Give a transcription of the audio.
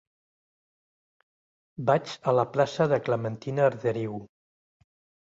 Vaig a la plaça de Clementina Arderiu.